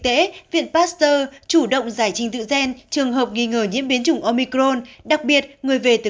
tễ chủ động giải trình tự gen trường hợp nghi ngờ nhiễm biến chủng omicron đặc biệt người về từ